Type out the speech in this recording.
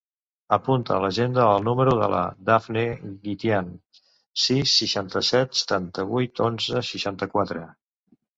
Apunta a l'agenda el número de la Dafne Guitian: sis, seixanta-set, setanta-vuit, onze, seixanta-quatre.